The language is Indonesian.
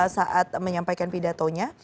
saat menyampaikan pidatonya